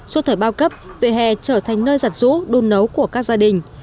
suốt thời bao cấp vỉa hè trở thành nơi giặt rũ đun nấu của các gia đình